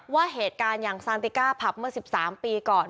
ว่าเหตุการณ์อย่างซานติก้าผับเมื่อ๑๓ปีก่อน